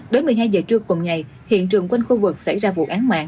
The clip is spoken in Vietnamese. đến một mươi hai giờ trưa cùng ngày hiện trường quanh khu vực xảy ra vụ án mạng